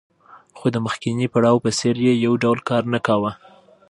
خو د مخکیني پړاو په څېر یې یو ډول کار نه کاوه